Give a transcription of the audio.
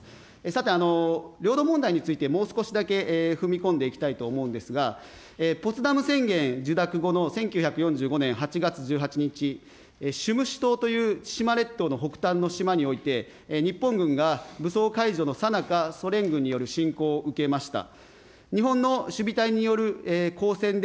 さて、領土問題について、もう少しだけ踏み込んでいきたいと思うんですが、ポツダム宣言受諾後の１９４５年８月１８日、占守島という千島列島の北端の島において、日本軍が武装解除のさなか、ソ連軍による侵攻を受けました。